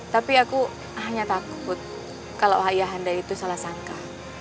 tapi aku hanya takut kalau ayah anda itu salah sangka